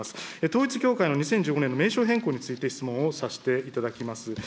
統一教会の２０１５年の名称変更について質問をさせていただきます。